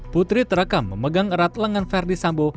putri terekam memegang erat lengan verdi sambo